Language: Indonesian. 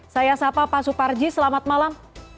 saya sapa pak suparji selamat malam